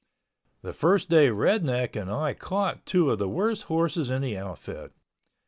The first day Red Neck and I caught two of the worst horses in the outfit.